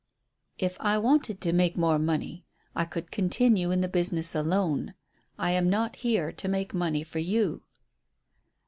"If I wanted to make more money I could continue in the business alone. I am not here to make money for you."